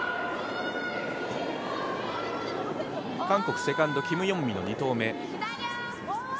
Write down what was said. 韓国、セカンド、キム・ヨンミの２投目。